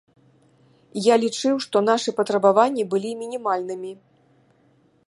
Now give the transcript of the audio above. Я лічыў, што нашы патрабаванні былі мінімальнымі.